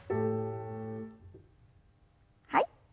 はい。